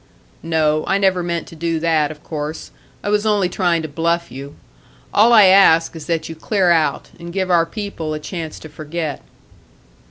"No. I never meant to do that, of course. I was only trying to bluff you. All I ask is that you clear out, and give our people a chance to forget."